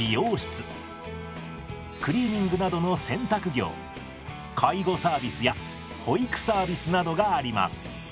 クリーニングなどの洗濯業介護サービスや保育サービスなどがあります。